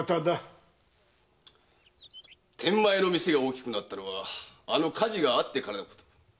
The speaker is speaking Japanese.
天満屋の店が大きくなったのはあの火事があってからのこと。